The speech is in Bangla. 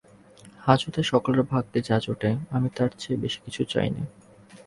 হাজতে সকলের ভাগ্যে যা জোটে আমি তার চেয়ে কিছু বেশি চাই নে।